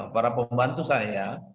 para pembantu saya